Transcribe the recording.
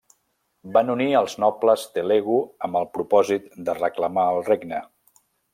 Van unir als nobles Telugu amb el propòsit de reclamar el regne.